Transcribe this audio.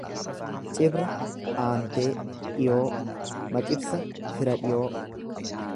Cibra aantee, dhiyoo Maqibsa fira dhiyoo